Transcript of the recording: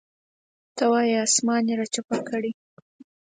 ته وایې اسمان یې راچپه کړی.